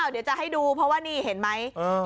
เดี๋ยวจะให้ดูเพราะว่านี่เห็นไหม